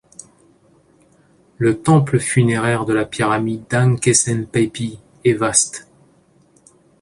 Le temple funéraire de la pyramide d'Ânkhésenpépi est vaste.